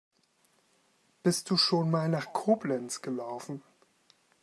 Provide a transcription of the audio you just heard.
Bist du schon mal nach Koblenz gelaufen?